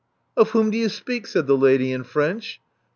Of whom do you speak?" said the lady in French.